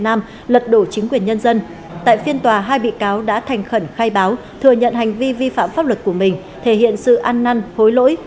năm hai nghìn một mươi sáu và hai nghìn một mươi chín lật đổ chính quyền nhân dân tại phiên tòa hai bị cáo đã thành khẩn khai báo thừa nhận hành vi vi phạm pháp luật của mình thể hiện sự ăn năn hối lỗi